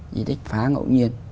di tích phá ngẫu nhiên